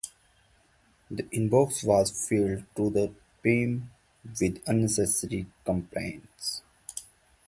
The inbox was filled to the brim with unnecessary complaints.